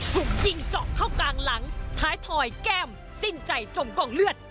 ถูกยิงเจาะเข้ากลางหลังท้ายถอยแก้มสิ้นใจจมกองเลือด